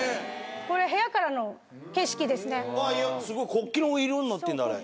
国旗の色になってんだあれ